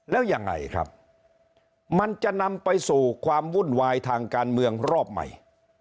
แล้วยังไงครับมันจะนำไปสู่ความวุ่นวายทางการเมืองรอบใหม่